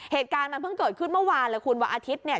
เหตุการณ์มันเพิ่งเกิดขึ้นเมื่อวานเลยคุณวันอาทิตย์เนี่ย